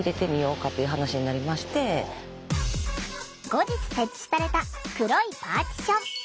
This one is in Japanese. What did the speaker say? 後日設置された黒いパーティション。